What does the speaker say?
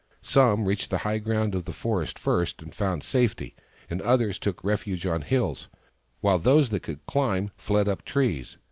Some reached the high ground of the forest first, and found safety, and others took refuge on hills, while those that could climb fled up trees.